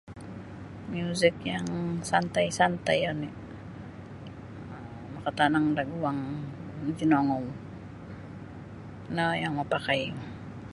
Miuzik yang santai-santai oni um makatanang da guang makinongou no yang mapakai.